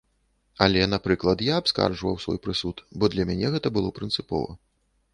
Але, напрыклад, я абскарджваў свой прысуд, бо для мяне гэта было прынцыпова.